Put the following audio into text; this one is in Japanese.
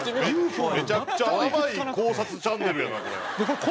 めちゃくちゃ甘い考察チャンネルやなこれ。